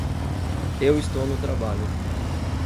Eu estou no trabalho!